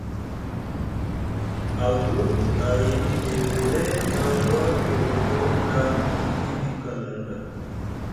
Avut ayni Evele taŋ war tolofon ɗa aŋ hiɗi kalaŋ ɗa.